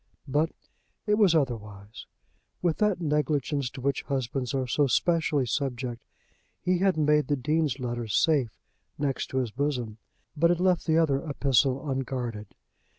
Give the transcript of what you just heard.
But it was otherwise. With that negligence to which husbands are so specially subject, he had made the Dean's letter safe next to his bosom, but had left the other epistle unguarded.